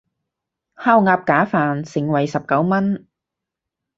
烤鴨架飯，盛惠十九文